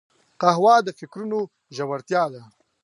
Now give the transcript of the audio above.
قهوه د فکرونو ژورتیا ده